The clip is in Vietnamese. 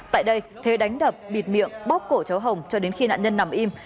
tại đây thế đánh đập bịt miệng bóp cổ cháu hồng cho đến khi nạn nhân nằm im